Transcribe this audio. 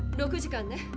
６時間ね。